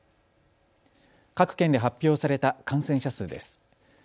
各県で発表された感染者数です。